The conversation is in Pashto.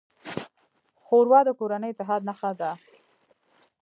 ښوروا د کورني اتحاد نښه ده.